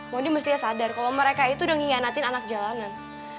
modi mestinya sadar kalau mereka itu udah ngianatin anak jalanan